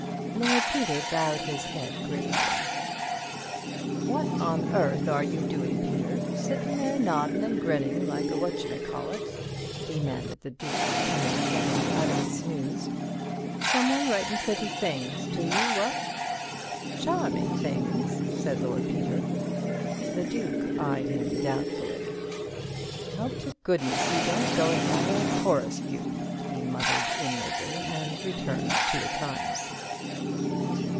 Lord Peter bowed his head gravely. "What on earth are you doing, Peter, sittin' there noddin' an' grinnin' like a what you may call it?" demanded the Duke, coming suddenly out of a snooze. "Someone writin' pretty things to you, what?" "Charming things," said Lord Peter. The Duke eyed him doubtfully. "Hope to goodness you don't go and marry a chorus beauty," he muttered inwardly, and returned to the Times.